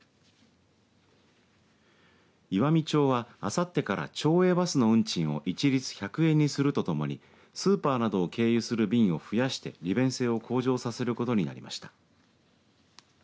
岩美町はあさってから町営バスの運賃を一律１００円にするとともにスーパーなどを経由する便を増やして利便性を向上させることになりました。